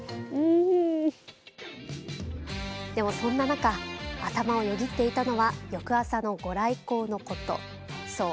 でもそんな中頭をよぎっていたのは翌朝のご来光のこと。